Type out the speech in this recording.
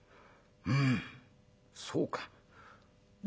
うんそうか」。